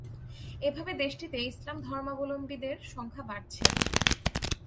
এভাবে দেশটিতে ইসলাম ধর্মাবলম্বীদের সংখ্যা বাড়ছে।